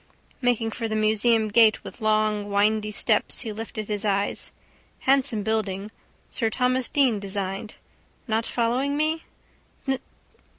Making for the museum gate with long windy steps he lifted his eyes. Handsome building. Sir Thomas Deane designed. Not following me?